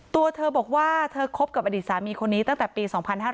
ตัวเธอบอกว่าเธอคบกับอดีตสามีคนนี้ตั้งแต่ปี๒๕๕๙